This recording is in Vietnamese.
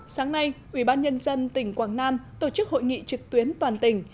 sáng nay ubnd tỉnh quảng nam tổ chức hội nghị trực tuyến toàn tỉnh